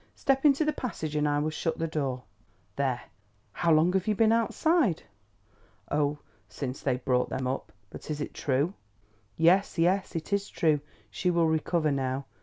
Step into the passage and I will shut the door. There! How long have you been outside?" "Oh, since they brought them up. But is it true?" "Yes, yes, it is true. She will recover now.